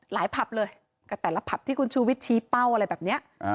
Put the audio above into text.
หลายพับเลยกับแต่ละพับที่คุณชูวิทชีเป้าอะไรแบบเนี้ยอ่า